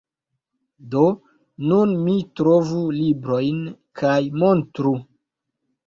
Do, nun mi trovu librojn kaj montru.